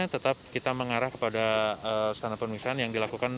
tetap kita mengarah kepada standar pemeriksaan yang dilakukan